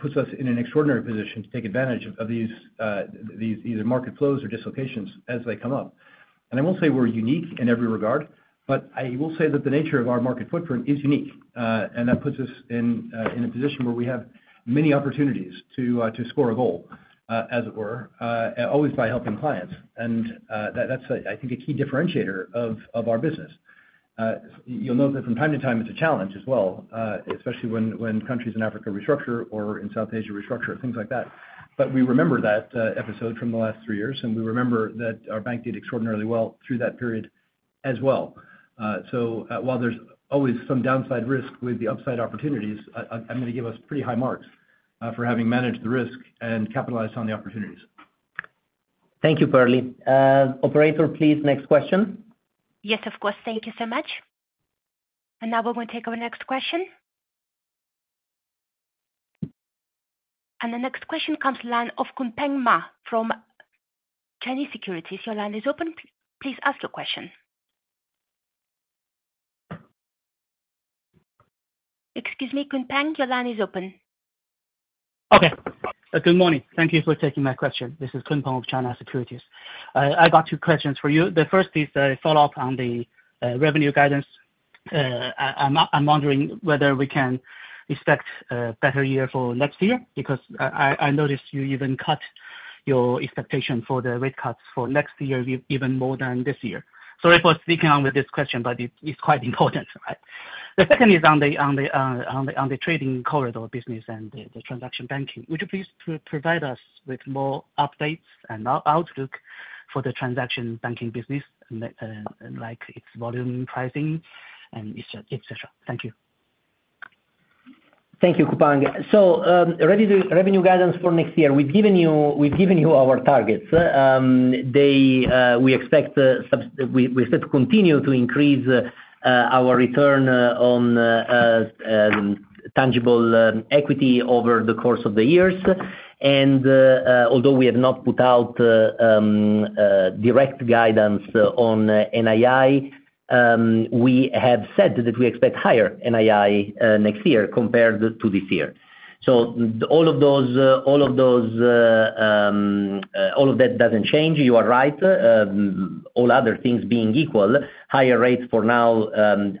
puts us in an extraordinary position to take advantage of these either market flows or dislocations as they come up. And I won't say we're unique in every regard, but I will say that the nature of our market footprint is unique. And that puts us in a position where we have many opportunities to score a goal, as it were, always by helping clients. And, that's, I think, a key differentiator of our business. You'll note that from time to time, it's a challenge as well, especially when countries in Africa restructure or in South Asia restructure, things like that. But we remember that episode from the last three years, and we remember that our bank did extraordinarily well through that period as well. So, while there's always some downside risk with the upside opportunities, I'm gonna give us pretty high marks for having managed the risk and capitalized on the opportunities. Thank you, Perlie. Operator, please, next question. Yes, of course. Thank you so much. Now we will take our next question. The next question comes from the line of Kunpeng Ma from China Securities. Your line is open. Please ask your question. Excuse me, Kunpeng, your line is open. Okay. Good morning. Thank you for taking my question. This is Kunpeng of China Securities. I got two questions for you. The first is a follow-up on the revenue guidance. I'm wondering whether we can expect better year for next year, because I noticed you even cut your expectation for the rate cuts for next year even more than this year. Sorry for sticking on with this question, but it's quite important, right? The second is on the trading corridor business and the Transaction Banking. Would you please provide us with more updates and outlook for the Transaction Banking business, and like its volume pricing and et cetera? Thank you. Thank you, Kunpeng. So, revenue guidance for next year, we've given you, we've given you our targets. We expect to continue to increase our return on tangible equity over the course of the years. And, although we have not put out direct guidance on NII, we have said that we expect higher NII next year compared to this year. So all of that doesn't change. You are right. All other things being equal, higher rates for now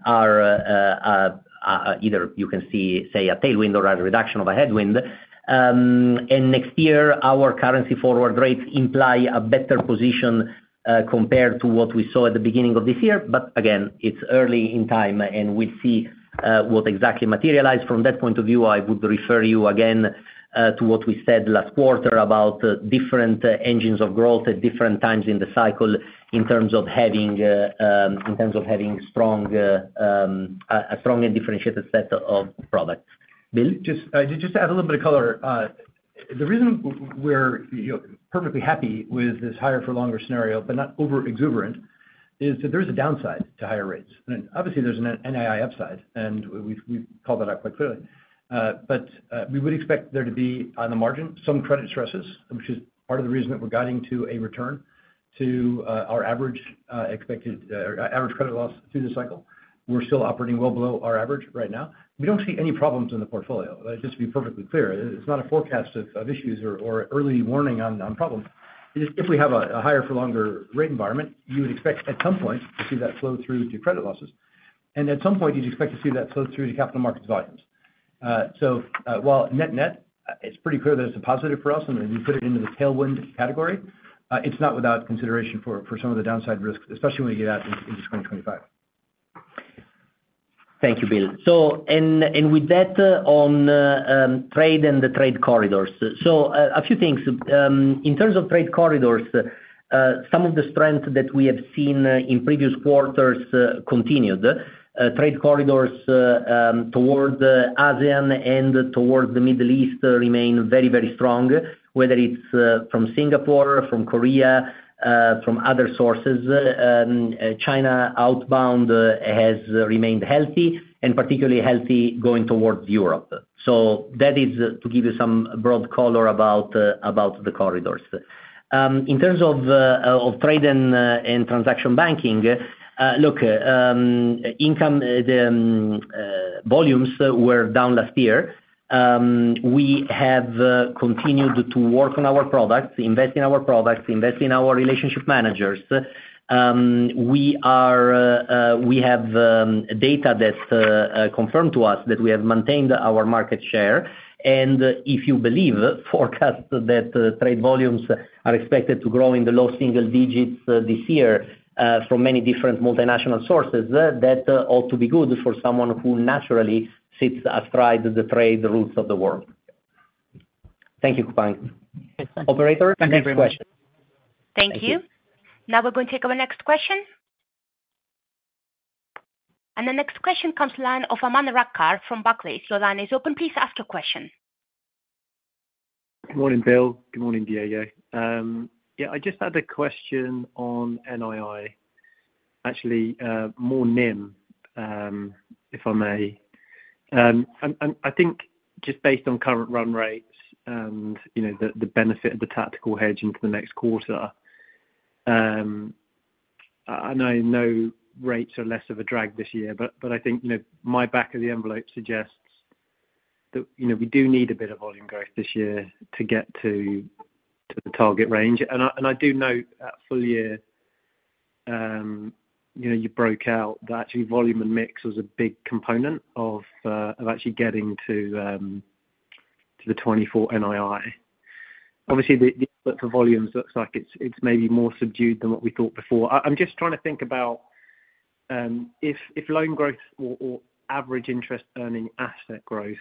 are either you can say a tailwind or a reduction of a headwind. And next year, our currency forward rates imply a better position, compared to what we saw at the beginning of this year. But again, it's early in time, and we'll see what exactly materialize. From that point of view, I would refer you again to what we said last quarter about different engines of growth at different times in the cycle, in terms of having a strong and differentiated set of products. Bill? Just, just to add a little bit of color, the reason we're, you know, perfectly happy with this higher for longer scenario, but not over-exuberant, is that there is a downside to higher rates. Obviously, there's an NII upside, and we've called that out quite clearly. But we would expect there to be, on the margin, some credit stresses, which is part of the reason that we're guiding to a return to our average expected credit loss through the cycle. We're still operating well below our average right now. We don't see any problems in the portfolio. Just to be perfectly clear, it's not a forecast of issues or early warning on problems. It is, if we have a higher for longer rate environment, you would expect at some point to see that flow through to credit losses. And at some point, you'd expect to see that flow through to capital Markets volumes. So, while net-net, it's pretty clear that it's a positive for us, and we put it into the tailwind category, it's not without consideration for some of the downside risks, especially when we get out into 2025. Thank you, Bill. So with that, on trade and the trade corridors. So, a few things. In terms of trade corridors, some of the strength that we have seen in previous quarters continued. Trade corridors towards ASEAN and towards the Middle East remain very, very strong, whether it's from Singapore, from Korea, from other sources. China outbound has remained healthy, and particularly healthy going towards Europe. So that is to give you some broad color about the corridors. In terms of trade and transaction Banking, look, income volumes were down last year. We have continued to work on our products, invest in our products, invest in our relationship managers. We have data that's confirmed to us that we have maintained our market share. If you believe forecasts that trade volumes are expected to grow in the low single digits this year from many different multinational sources, that ought to be good for someone who naturally sits astride the trade routes of the world. Thank you, Kunpeng Operator, next question. Thank you, everyone. Thank you. Now we're going to take our next question. The next question comes from the line of Aman Rakkar from Barclays. Your line is open, please ask your question. Good morning, Bill. Good morning, Diego. Yeah, I just had a question on NII, actually, more NIM, if I may. And I think just based on current run rates and, you know, the benefit of the tactical hedge into the next quarter, I know rates are less of a drag this year, but I think, you know, my back of the envelope suggests that, you know, we do need a bit of volume growth this year to get to the target range. And I do note at full-year, you know, you broke out that actually volume and mix was a big component of actually getting to the 2024 NII. Obviously, the budget for volumes looks like it's maybe more subdued than what we thought before. I'm just trying to think about if loan growth or average interest earning asset growth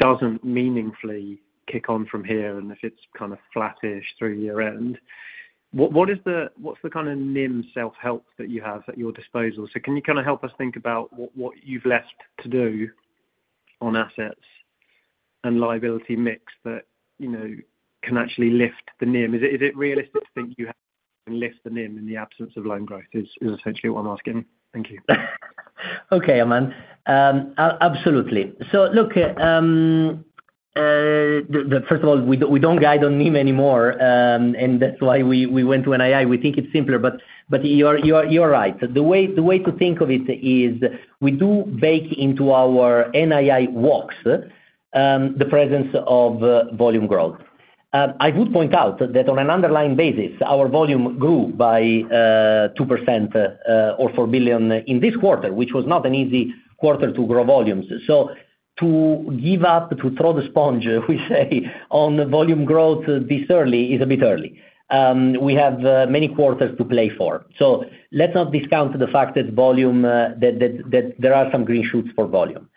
doesn't meaningfully kick on from here, and if it's kind of flattish through year-end, what's the kind of NIM self-help that you have at your disposal? So can you kind of help us think about what you've left to do on assets and liability mix that, you know, can actually lift the NIM? Is it realistic to think you have to lift the NIM in the absence of loan growth, is essentially what I'm asking. Thank you. Okay, Aman. Absolutely. So look, the first of all, we don't guide on NIM anymore, and that's why we went to NII. We think it's simpler, but you are right. The way to think of it is, we do bake into our NII walks, the presence of volume growth. I would point out that on an underlying basis, our volume grew by 2% or $4 billion in this quarter, which was not an easy quarter to grow volumes. So to give up, to throw the sponge, we say, on volume growth this early, is a bit early. We have many quarters to play for. So let's not discount the fact that volume, that there are some green shoots for volume.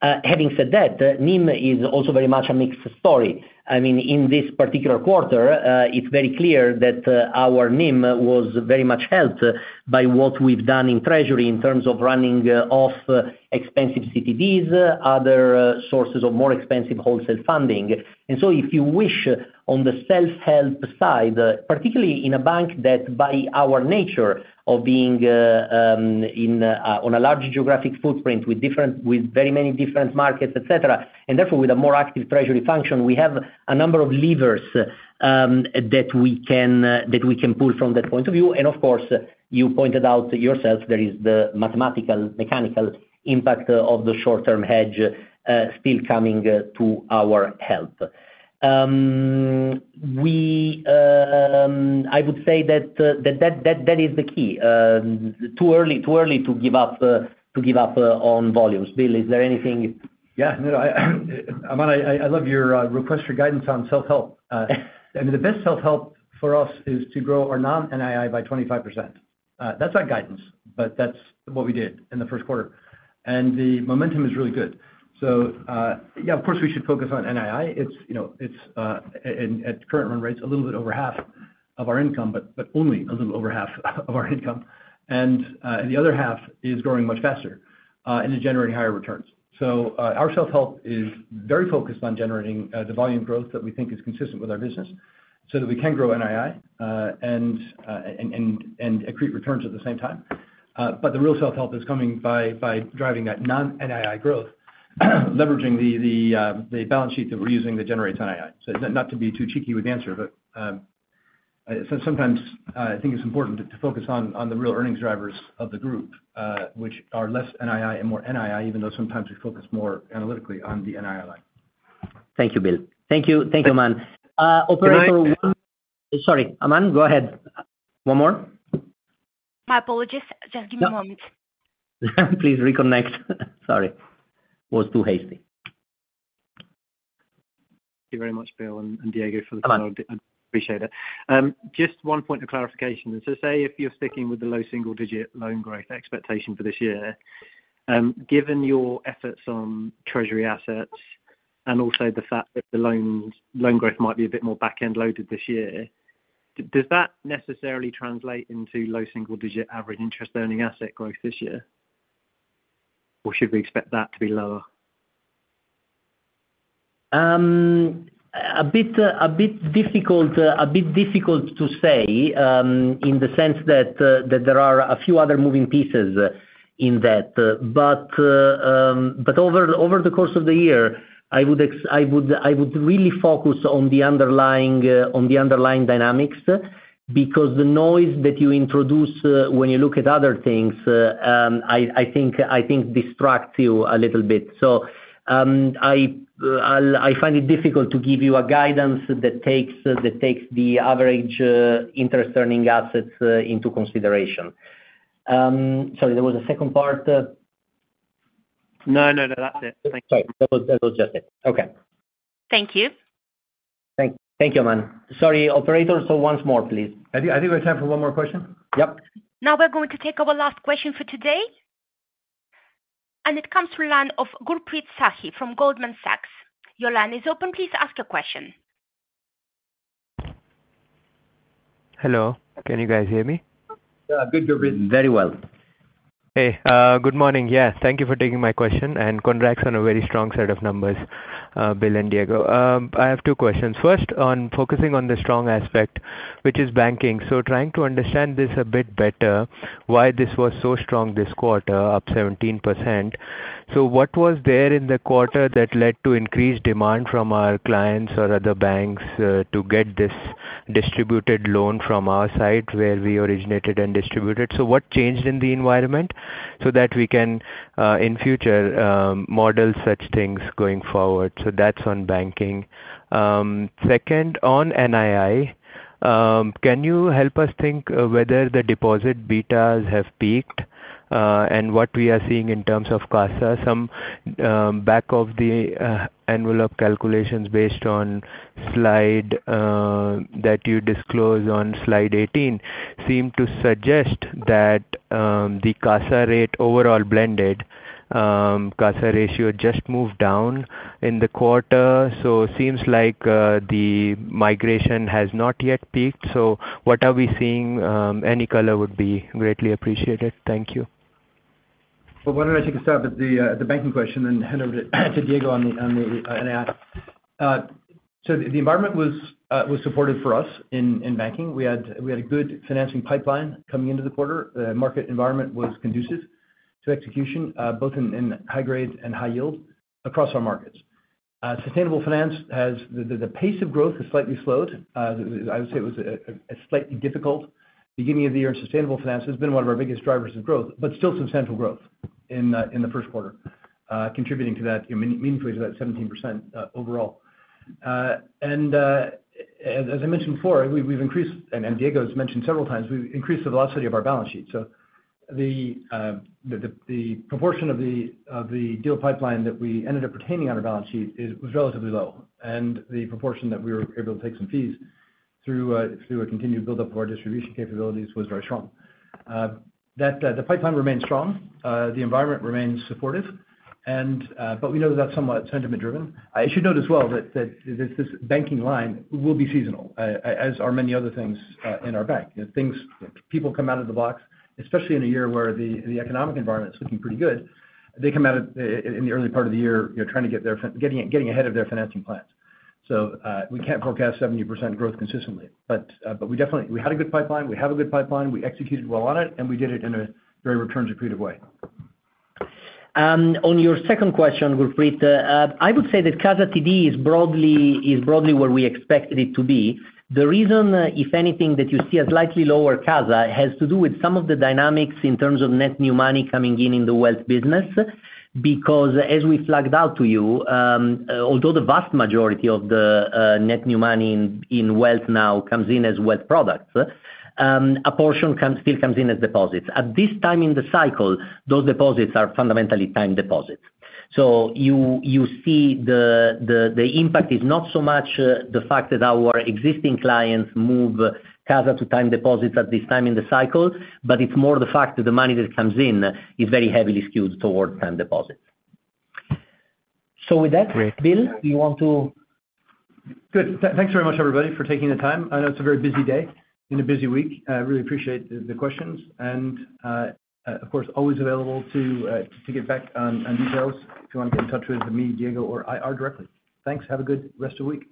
Having said that, NIM is also very much a mixed story. I mean, in this particular quarter, it's very clear that our NIM was very much helped by what we've done in treasury in terms of running off expensive CDs, other sources of more expensive wholesale funding. And so if you wish, on the self-help side, particularly in a bank that by our nature of being in on a large geographic footprint with very many different Markets, et cetera, and therefore with a more active treasury function, we have a number of levers that we can pull from that point of view. And of course, you pointed out yourself, there is the mathematical, mechanical impact of the short-term hedge still coming to our help. I would say that is the key. Too early to give up on volumes. Bill, is there anything? Yeah, no, Aman, I love your request for guidance on self-help. I mean, the best self-help for us is to grow our non-NII by 25%. That's our guidance, but that's what we did in the first quarter, and the momentum is really good. So, yeah, of course, we should focus on NII. It's, you know, it's at current run rates, a little bit over half of our income, but only a little over half of our income. And the other half is growing much faster and is generating higher returns. So, our self-help is very focused on generating the volume growth that we think is consistent with our business, so that we can grow NII and accrete returns at the same time. But the real self-help is coming by driving that non-NII growth, leveraging the balance sheet that we're using to generate NII. So not to be too cheeky with the answer, but so sometimes I think it's important to focus on the real earnings drivers of the Group, which are less NII and more NII, even though sometimes we focus more analytically on the NII line. Thank you, Bill. Thank you, thank you, Aman. Operator- Can I- Sorry, Aman, go ahead. One more? My apologies. Just give me a moment. Please reconnect. Sorry, was too hasty. Thank you very much, Bill and Diego, for the- Aman. I appreciate it. Just one point of clarification. So say if you're sticking with the low single digit loan growth expectation for this year, given your efforts on treasury assets and also the fact that the loans, loan growth might be a bit more back-ended loaded this year, does that necessarily translate into low single digit average interest earning asset growth this year, or should we expect that to be lower? A bit difficult to say, in the sense that there are a few other moving pieces. In that. But over the course of the year, I would really focus on the underlying dynamics, because the noise that you introduce when you look at other things, I think distracts you a little bit. So, I find it difficult to give you a guidance that takes the average interest earning assets into consideration. Sorry, there was a second part? No, no, no, that's it. Thank you. Sorry. That was just it. Okay. Thank you. Thank you, Aman. Sorry, operator, once more, please. I think, I think we have time for one more question. Yep. Now we're going to take our last question for today, and it comes from line of Gurpreet Sahi from Goldman Sachs. Your line is open, please ask your question. Hello. Can you guys hear me? Yeah, good to hear. Very well. Hey, good morning. Yes, thank you for taking my question, and congrats on a very strong set of numbers, Bill and Diego. I have two questions. First, on focusing on the strong aspect, which is Banking. So trying to understand this a bit better, why this was so strong this quarter, up 17%. So what was there in the quarter that led to increased demand from our clients or other banks to get this distributed loan from our side, where we originated and distributed? So what changed in the environment so that we can in future model such things going forward? So that's on Banking. Second, on NII, can you help us think whether the deposit betas have peaked, and what we are seeing in terms of CASA? Some back-of-the-envelope calculations based on slide that you disclose on slide 18 seem to suggest that the CASA rate overall blended CASA ratio just moved down in the quarter. So seems like the migration has not yet peaked. So what are we seeing? Any color would be greatly appreciated. Thank you. Well, why don't I take a stab at the Banking question and hand over to Diego on the NII? So the environment was supportive for us in Banking. We had a good financing pipeline coming into the quarter. The market environment was conducive to execution both in high grade and high yield across our Markets. Sustainable Finance has... The pace of growth has slightly slowed. I would say it was a slightly difficult beginning of the year. Sustainable Finance has been one of our biggest drivers of growth, but still substantial growth in the first quarter, contributing to that, I mean, meaningfully to that 17% overall. As I mentioned before, we've increased... Diego has mentioned several times, we've increased the velocity of our balance sheet. So the proportion of the deal pipeline that we ended up retaining on our balance sheet was relatively low, and the proportion that we were able to take some fees through a continued build-up of our distribution capabilities was very strong. The pipeline remains strong, the environment remains supportive, but we know that's somewhat sentiment driven. I should note as well that this Banking line will be seasonal, as are many other things in our bank. You know, things, people come out of the blocks, especially in a year where the economic environment is looking pretty good. They come out in the early part of the year, you know, trying to get their financing, getting ahead of their financing plans. So, we can't forecast 70% growth consistently. But, but we definitely, we had a good pipeline, we have a good pipeline, we executed well on it, and we did it in a very return-accretive way. On your second question, Gurpreet, I would say that CASA/TD is broadly where we expected it to be. The reason, if anything, that you see a slightly lower CASA, has to do with some of the dynamics in terms of net new money coming in in the wealth business. Because as we flagged out to you, although the vast majority of the net new money in wealth now comes in as wealth products, a portion still comes in as deposits. At this time in the cycle, those deposits are fundamentally time deposits. So you see the impact is not so much the fact that our existing clients move CASA to time deposits at this time in the cycle, but it's more the fact that the money that comes in is very heavily skewed towards time deposits. So with that- Great. Bill, do you want to? Good. Thanks very much, everybody, for taking the time. I know it's a very busy day, in a busy week. I really appreciate the questions, and, of course, always available to get back on details if you want to get in touch with me, Diego, or IR directly. Thanks. Have a good rest of the week.